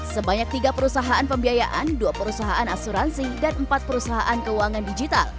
sebanyak tiga perusahaan pembiayaan dua perusahaan asuransi dan empat perusahaan keuangan digital